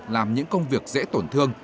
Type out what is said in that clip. làm những công việc dễ tổn thương